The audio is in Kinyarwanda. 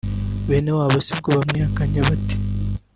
Bene wabo sibwo bamwihakanye bati